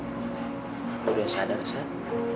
kau sedang lo udah sadar sat